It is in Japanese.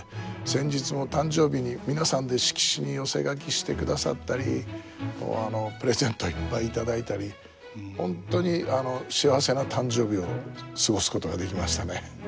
先日も誕生日に皆さんで色紙に寄せ書きしてくださったりプレゼントいっぱい頂いたり本当に幸せな誕生日を過ごすことができましたね。